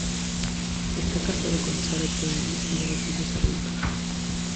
Está casado con Sarah-Jane y tienen dos hijos adultos.